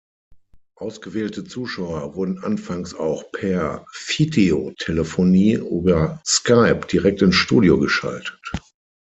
Ausgewählte Zuschauer wurden anfangs auch per Videotelefonie über Skype direkt ins Studio geschaltet.